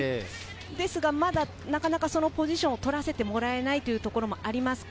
ですが、まだそのポジションを取らせてもらえないというところもあります。